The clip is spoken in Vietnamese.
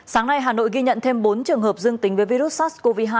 sáng nay hà nội ghi nhận thêm bốn trường hợp dương tính với virus sars cov hai